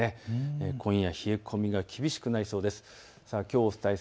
今夜は冷え込みが厳しくなりそうです。